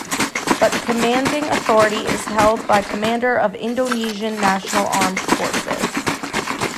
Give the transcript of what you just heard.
But commanding authority is held by Commander of Indonesian National Armed Forces.